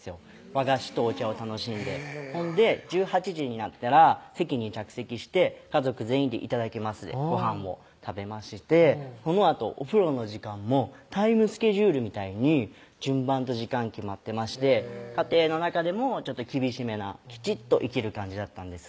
和菓子とお茶を楽しんでへぇほんで１８時になったら席に着席して家族全員で「いただきます」でごはんを食べましてそのあとお風呂の時間もタイムスケジュールみたいに順番と時間決まってまして家庭の中でもちょっと厳しめなきちっと生きる感じだったんです